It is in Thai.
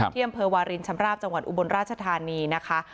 ที่อำเภอวารินชำราบจังหวัดอุบลราชธานีนะคะ